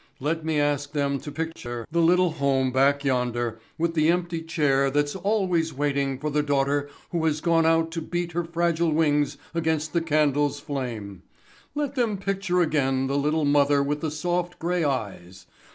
Let me ask them to picture the little home back yonder with the empty chair that's always waiting for the daughter who has gone out to beat her fragile wings against the candle's flame. Let them picture again the little mother with the soft, grey eyes.